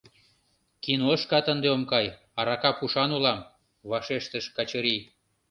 — Киношкат ынде ом кай — арака пушан улам, — вашештыш Качырий.